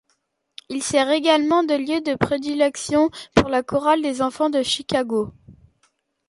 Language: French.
Il sert également de lieu de prédilection pour la chorale des enfants de Chicago.